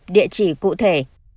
địa chỉ cụ thể